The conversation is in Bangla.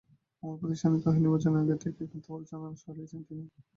আমার প্রতি ঈর্ষান্বিত হয়ে নির্বাচনের আগে থেকেই মিথ্যা প্রচারণা চালিয়েছেন তিনি।